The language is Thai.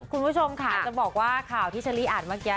คุณผู้ชมค่ะจะบอกว่าข่าวที่เชอรี่อ่านเมื่อกี้